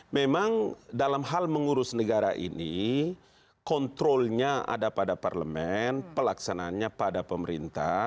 memang dalam hal mengurus negara ini kontrolnya ada pada parlemen pelaksananya pada pemerintah